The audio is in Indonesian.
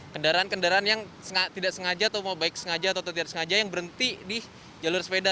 kendaraan kendaraan yang tidak sengaja atau mau baik sengaja atau tidak sengaja yang berhenti di jalur sepeda